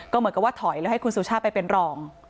เหมือนกับว่าถอยแล้วให้คุณสุชาติไปเป็นรอง